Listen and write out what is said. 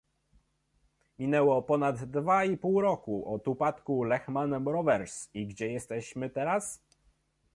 Minęło ponad dwa i pół roku od upadku Lehmann Brothers i gdzie jesteśmy teraz?